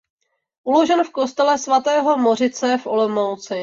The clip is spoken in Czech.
Uložen v kostele svatého Mořice v Olomouci.